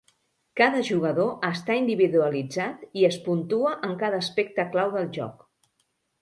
Cada jugador està individualitzat i es puntua en cada aspecte clau del joc.